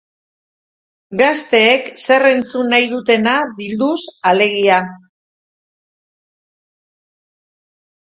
Gazteek zer entzun nahi dutena bilduz, alegia.